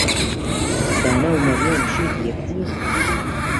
دانا و مەریەم شێتی یەکدین.